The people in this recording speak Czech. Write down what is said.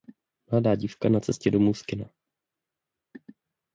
Mladá dívka na cestě domů z kina.